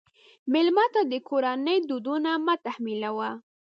مېلمه ته د کورنۍ دودونه مه تحمیلوه.